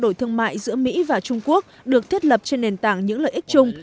đổi thương mại giữa mỹ và trung quốc được thiết lập trên nền tảng những lợi ích chung